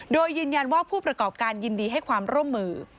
โดยยืนยันว่าผู้ประกอบการยินดีให้ความร่วมมือ